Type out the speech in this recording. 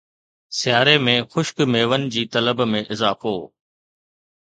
سياري ۾ خشڪ ميون جي طلب ۾ اضافو